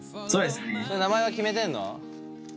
名前は決めてんの？